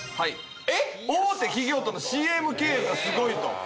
大手企業とのＣＭ契約がすごいと。